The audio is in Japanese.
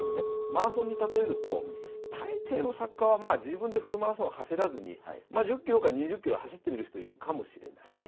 マラソンに例えると大抵の作家は自分でフルマラソンを走らずに１０キロか２０キロ走ってみる人いるかもしれない。